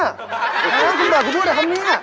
แล้วคุณเบิร์ดคุณพูดอะไรคำนี้